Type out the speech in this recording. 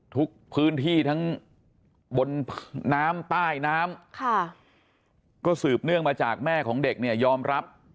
ทุกพื้นที่ทั้งบนน้ำใต้น้ำค่ะก็สืบเนื่องมาจากแม่ของเด็กเนี่ยยอมรับ